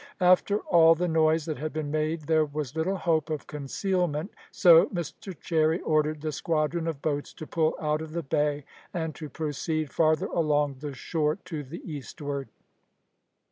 After all the noise that had been made there was little hope of concealment, so Mr Cherry ordered the squadron of boats to pull out of the bay and to proceed farther along the shore to the eastward.